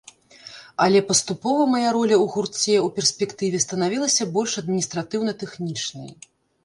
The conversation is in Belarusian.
Але паступова мая роля ў гурце ў перспектыве станавілася больш адміністратыўна-тэхнічнай.